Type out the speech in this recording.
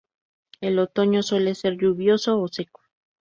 El otoño suele ser lluvioso o seco.